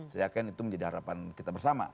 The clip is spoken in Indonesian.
saya yakin itu menjadi harapan kita bersama